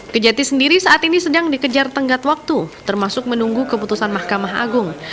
kejati sendiri saat ini sedang dikejar tenggat waktu termasuk menunggu keputusan mahkamah agung